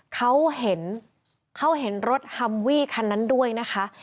เขาเห็นเขาเห็นรถฮัมวี่คันนั้นด้วยนะคะ